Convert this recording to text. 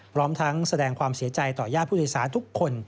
พร้อมทั้งแสดงความเสียใจต่อญาติผู้โดยสารทุกคน